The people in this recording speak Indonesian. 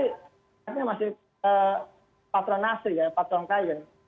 sebenarnya masih patronasi ya patron kain